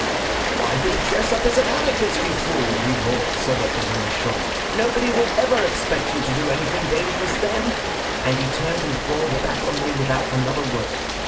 'Why, then, dress up as an anarchist, you fool!' he roared so that the room shook. 'Nobody will ever expect you to do anything dangerous then.' And he turned his broad back on me without another word.